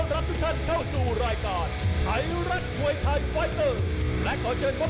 และอยู่กับผมเช่นเคยครับ